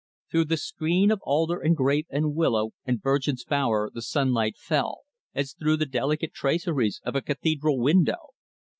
Through the screen of alder and grape and willow and virgin's bower the sunlight fell, as through the delicate traceries of a cathedral window.